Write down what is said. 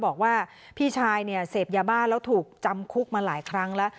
บอกว่าพี่ชายเนี่ยเสพยาบ้าแล้วถูกจำคุกมาหลายครั้งแล้ว